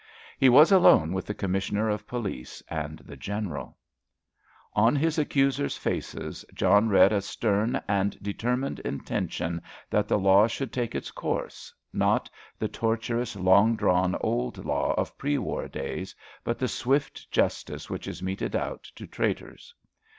He was alone with the Commissioner of Police and the General. On his accusers' faces John read a stern and determined intention that the law should take its course, not the tortuous, long drawn old law of pre war days, but the swift justice which is meted out to traitors.